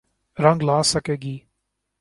رنگ لا سکے گی۔